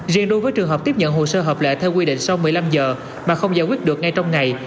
riêng đối với trường hợp tiếp nhận hồ sơ hợp lệ theo quy định sau một mươi năm giờ mà không giải quyết được ngay trong ngày